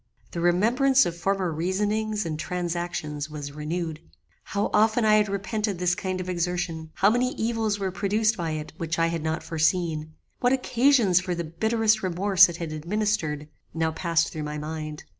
The remembrance of former reasonings and transactions was renewed. How often I had repented this kind of exertion; how many evils were produced by it which I had not foreseen; what occasions for the bitterest remorse it had administered, now passed through my mind.